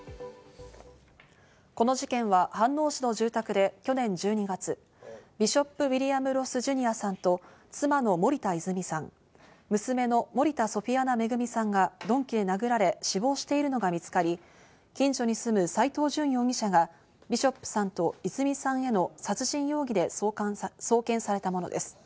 この事件は飯能市の住宅で去年１２月、ビショップ・ウィリアム・ロス・ジュニアさんと妻の森田泉さん、娘の森田ソフィアナ恵さんが鈍器で殴られ死亡しているのが見つかり、近所に住む斎藤淳容疑者がビショップさんと泉さんへの殺人容疑で送検されたものです。